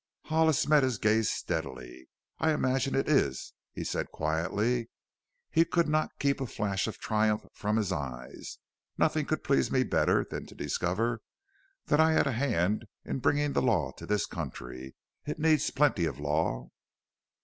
Hollis met his gaze steadily. "I imagine it is," he said quietly. He could not keep a flash of triumph from his eyes. "Nothing could please me better than to discover that I had a hand in bringing the law to this country. It needs plenty of law."